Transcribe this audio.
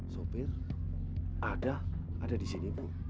sopir ada ada di sini bu